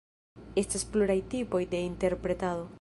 Estas pluraj tipoj de interpretado.